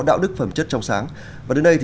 đạo đức phẩm chất trong sáng và đến đây